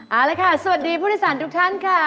เอาละค่ะสวัสดีผู้โดยสารทุกท่านค่ะ